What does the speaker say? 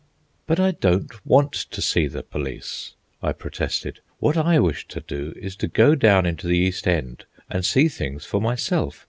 "But I don't want to see the police," I protested. "What I wish to do is to go down into the East End and see things for myself.